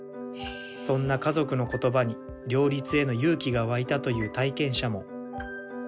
そんな家族の言葉に両立への勇気が湧いたという体験者も。